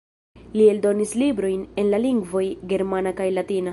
Li eldonis librojn en la lingvoj germana kaj latina.